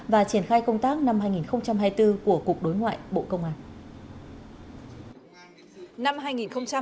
và triển khai công tác năm hai nghìn hai mươi bốn của cục đối ngoại bộ công an